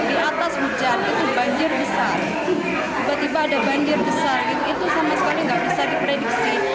di atas hujan itu banjir besar tiba tiba ada banjir besar itu sama sekali nggak bisa diprediksi